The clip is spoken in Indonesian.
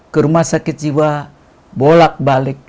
ke rumah sakit jiwa bolak balik